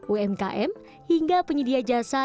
umkm hingga penyedia jasa